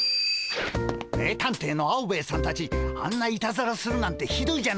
名探偵のアオベエさんたちあんないたずらするなんてひどいじゃないですか。